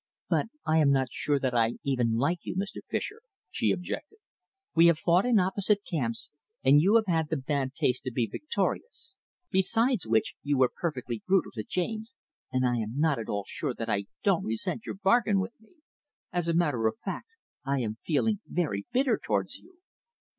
"But I am not sure that I even like you, Mr. Fischer," she objected. "We have fought in opposite camps, and you have had the bad taste to be victorious. Besides which, you were perfectly brutal to James, and I am not at all sure that I don't resent your bargain with me. As a matter of fact, I am feeling very bitter towards you."